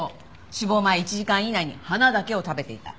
死亡前１時間以内に花だけを食べていた。